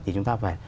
thì chúng ta phải